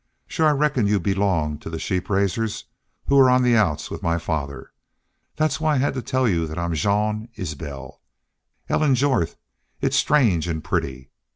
"Sure I reckoned you belonged to the sheep raisers who 're on the outs with my father. That's why I had to tell you I'm Jean Isbel.... Ellen Jorth. It's strange an' pretty....